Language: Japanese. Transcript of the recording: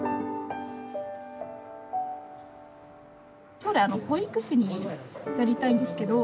将来保育士になりたいんですけど。